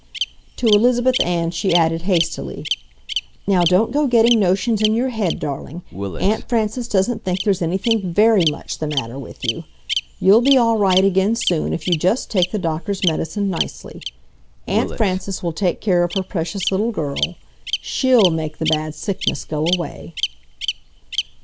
To Elizabeth Ann she added, hastily: "Now don't go getting notions in your head, darling. Aunt Frances doesn't think there's anything VERY much the matter with you. You'll be all right again soon if you just take the doctor's medicine nicely. Aunt Frances will take care of her precious little girl. SHE'll make the bad sickness go away."